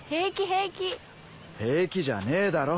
平気じゃねえだろ。